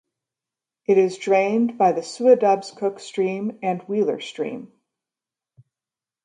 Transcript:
It is drained by the Souadabscook Stream and Wheeler Stream.